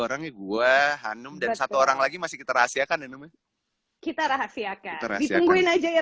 orangnya gua hanum dan satu orang lagi masih kita rahasiakan kita rahasiakan ditungguin aja ya